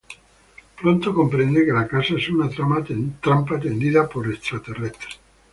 Pronto comprende que la casa es una trampa tendida por extraterrestres.